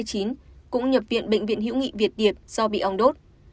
cũng nhập viện bệnh viện hiễu nghị việt điệt do bị ong đốt